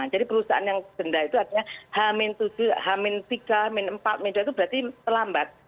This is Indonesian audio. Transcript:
jadi perusahaan yang denda itu artinya h tiga h empat h dua itu berarti terlambat